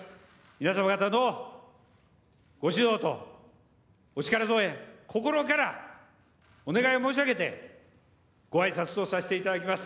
皆様方のご指導とお力添え、心からお願いを申し上げて、ごあいさつとさせていただきます。